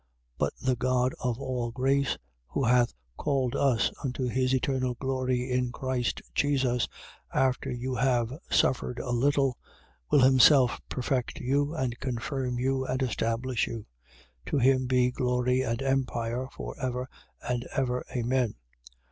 5:10. But the God of all grace, who hath called us unto his eternal glory in Christ Jesus, after you have suffered a little, will himself perfect you and confirm you and establish you. 5:11. To him be glory and empire, for ever and ever. Amen.